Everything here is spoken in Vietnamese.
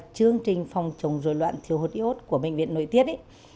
chống dối loạn thiếu hụt iốt của bệnh viện nội tiết ấy